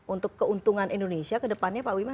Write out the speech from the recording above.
untuk keuntungan indonesia kedepannya pak wiman